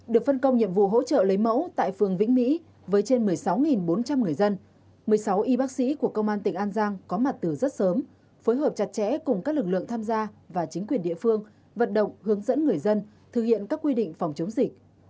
được phân công nhiệm vụ hỗ trợ lấy mẫu tại phường vĩnh mỹ với trên một mươi sáu bốn trăm linh người dân một mươi sáu y bác sĩ của công an tỉnh an giang có mặt từ rất sớm phối hợp chặt chẽ cùng các lực lượng tham gia và chính quyền địa phương vận động hướng dẫn người dân thực hiện các quy định phòng chống dịch